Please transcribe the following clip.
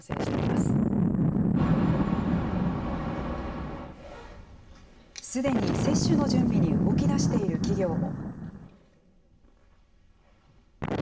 すでに接種の準備に動きだしている企業も。